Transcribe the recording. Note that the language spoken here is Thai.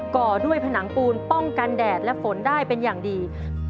่อด้วยผนังปูนป้องกันแดดและฝนได้เป็นอย่างดี